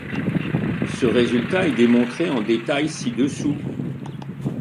Ce résultat est démontré en détail ci-dessous.